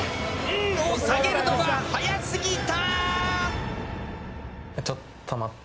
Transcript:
んを下げるのが早すぎた。